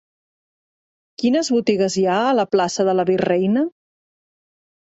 Quines botigues hi ha a la plaça de la Virreina?